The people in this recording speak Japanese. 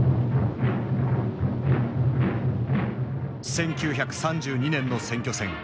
１９３２年の選挙戦。